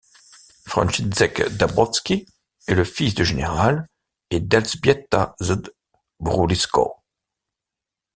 Franciszek Dąbrowski, est le fils du général et d'Elżbieta z Broulików.